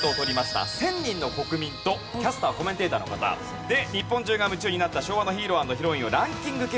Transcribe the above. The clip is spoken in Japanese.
１０００人の国民とキャスター・コメンテーターの方で日本中が夢中になった昭和のヒーロー＆ヒロインをランキング形式で紹介していきます。